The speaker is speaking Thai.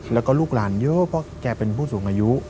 แล้วก็ลูกหลานเยอะเพราะแกเป็นผู้สูงอายุ